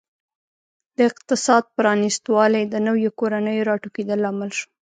د اقتصاد پرانیستوالی د نویو کورنیو راټوکېدل لامل شول.